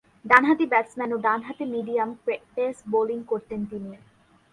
ডানহাতি ব্যাটসম্যান ও ডানহাতি মিডিয়াম পেস বোলিং করতেন তিনি।